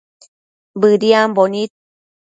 Bëdiambo nid